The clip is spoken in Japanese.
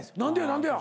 何でや？